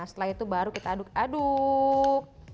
setelah itu baru kita aduk aduk